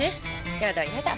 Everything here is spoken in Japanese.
やだやだ。